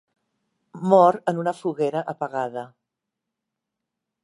Mor en una foguera apagada.